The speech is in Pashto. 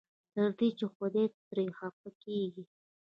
تر دې چې خدای ترې خفه کېږي.